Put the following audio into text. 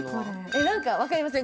えっ何か分かりません？